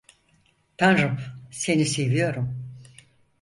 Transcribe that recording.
Tanrım, seni seviyorum.